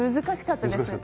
難しかった？